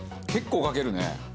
結構かけるね。